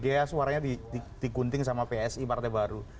dia suaranya digunting sama psi partai baru